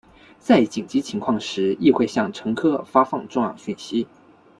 在紧急状况时亦会向乘客发放重要讯息。